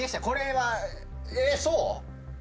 これはええそう？